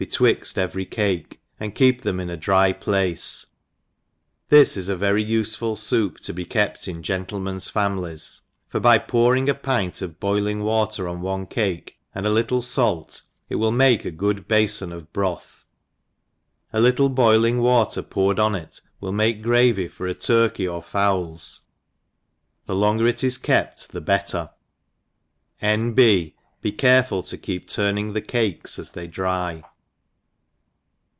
3 twixt every cake, and keep them in a dry place ; thi* is a very ufeful foup td be kept in gentle men's families, for by pouring a pint of boiU ing water on one cake, and a little fait, it wilt make a good bafon of broth. A little boiling water poured on it will make gravy for ft turkey or fowls^ the longer it is kept the bet* tef > N. B. Be careful to keep turning the cakes as they dry.